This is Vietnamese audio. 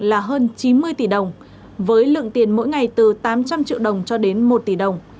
là hơn chín mươi tỷ đồng với lượng tiền mỗi ngày từ tám trăm linh triệu đồng cho đến một tỷ đồng